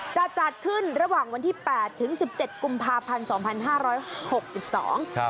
จะจัดขึ้นระหว่างวันที่๘ถึง๑๗กุมภาพันธ์๒๕๖๒